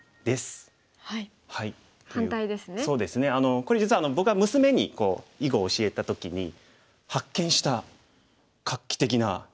これ実は僕は娘に囲碁を教えた時に発見した画期的な考え方というか。